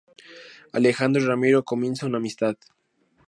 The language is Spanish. Alejandro y Ramiro comienzan una amistad.